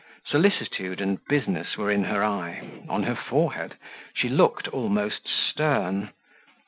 Solicitude and business were in her eye on her forehead; she looked almost stern.